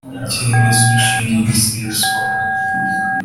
cyemeza ushinzwe iseswa